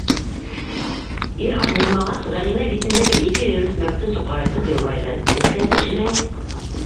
Ир-ат булмағас, — Ғәлимә битендәге ике өйрөлтмәкте соҡорайтып йылмайҙы, - эскән кеше лә юҡ.